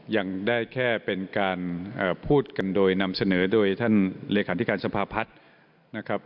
ยังได้แค่เป็นการพูดกันโดยนำเสนอโดยท่านเลขาธิการสภาพัฒน์นะครับ